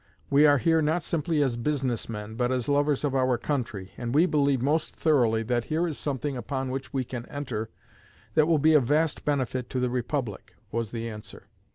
We are here not simply as business men, but as lovers of our country, and we believe most thoroughly that here is something upon which we can enter that will be of vast benefit to the Republic,' was the answer.